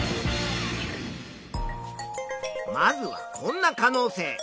まずはこんな可能性。